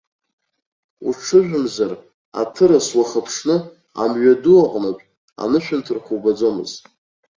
Уҽыжәымзар, аҭырас уахыԥшны, амҩаду аҟнытә, анышәынҭрақәа убаӡомызт.